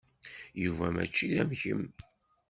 Yuba mačči am kemm.